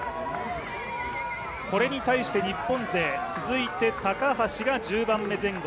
これに対して、日本勢、続いて高橋が１０番目前後。